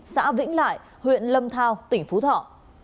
xã vĩnh lại huyện lâm thao tỉnh phú thọ